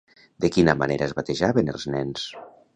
De quina manera es batejaven els nens?